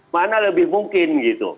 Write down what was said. mana lebih mungkin gitu